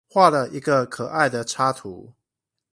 畫了一個可愛的插圖